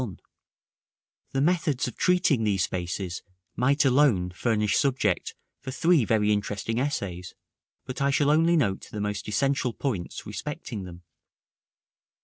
§ IX. The methods of treating these spaces might alone furnish subject for three very interesting essays; but I shall only note the most essential points respecting them.